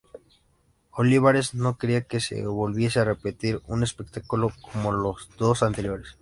Olivares no quería que se volviese a repetir un espectáculo como los dos anteriores.